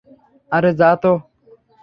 আরে যা তো।